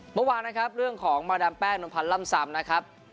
เมื่อวานนะครับเรื่องของมาดามแป้งนมพันธ์ล่ำซำนะครับ